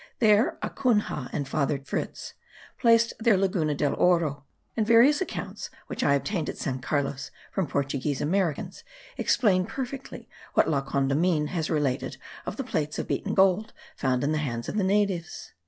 There Acunha and Father Fritz placed their Laguna del Oro; and various accounts which I obtained at San Carlos from Portuguese Americans explain perfectly what La Condamine has related of the plates of beaten gold found in the hands of the natives.